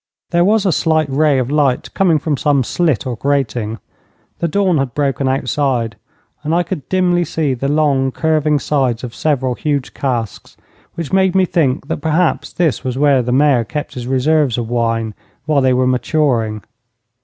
There was a slight ray of light coming from some slit or grating. The dawn had broken outside, and I could dimly see the long, curving sides of several huge casks, which made me think that perhaps this was where the Mayor kept his reserves of wine while they were maturing.